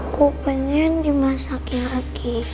aku pengen dimasakin lagi